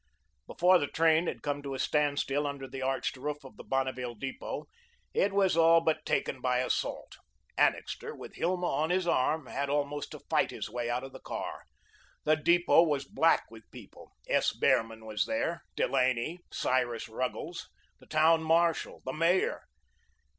Before the train had come to a standstill under the arched roof of the Bonneville depot, it was all but taken by assault. Annixter, with Hilma on his arm, had almost to fight his way out of the car. The depot was black with people. S. Behrman was there, Delaney, Cyrus Ruggles, the town marshal, the mayor.